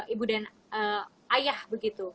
ibu dan ayah begitu